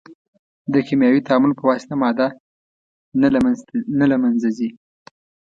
د کیمیاوي تعامل په واسطه ماده نه له منځه ځي.